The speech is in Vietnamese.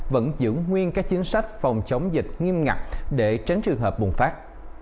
vẫn giữ nguyên các chính sách phòng chống dịch nghiêm ngặt để tránh trường hợp bùng phát